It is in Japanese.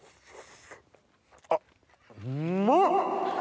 あっうまっ！